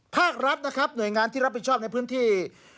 ภาครัฐนะครับหน่วยงานที่รับผิดชอบในพื้นที่